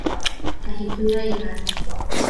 Mae hi'n pluo eira.